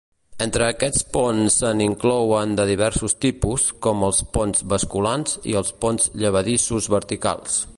Entre aquests ponts se n'inclouen de diversos tipus, com els ponts basculants i els ponts llevadissos verticals.